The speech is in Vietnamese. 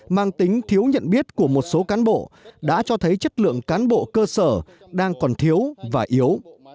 mang tính thiếu nhận biết của một số cán bộ đã cho thấy chất lượng cán bộ cơ sở đang còn thiếu và yếu